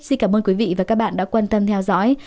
xin cảm ơn quý vị và các bạn đã quan tâm theo dõi